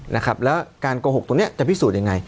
นะครับแล้วการโกหกตรงนี้จะพิสูจน์ยังไง